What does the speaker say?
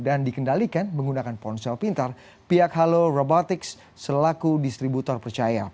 dan dikendalikan menggunakan ponsel pintar pihak halo robotics selaku distributor percaya